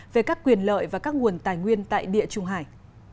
về các quyền lợi và các nguồn tài nguyên tại địa trung hải